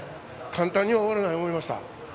簡単に終わらないと思いました。